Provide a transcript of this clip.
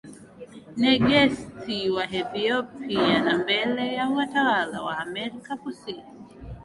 Negesti wa Ethiopia na mbele ya watawala wa Amerika Kusini